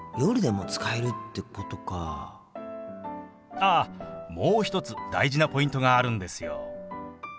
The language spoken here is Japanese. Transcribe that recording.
あっもう一つ大事なポイントがあるんですよ。